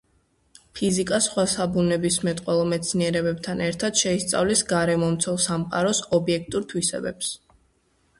ფიზიკა სხვა საბუნებისმეტყველო მეცნიერებებთან ერთად შეისწავლის გარემომცველ სამყაროს ობიექტურ თვისებებს